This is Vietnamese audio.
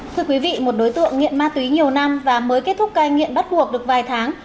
thưa quý vị một đối tượng nghiện ma túy nhiều năm và mới kết thúc cai nghiện bắt buộc được vài tháng